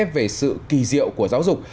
về sự kỳ diệu của giáo dục